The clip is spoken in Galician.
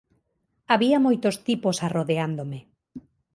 Había moitos tipos arrodeándome.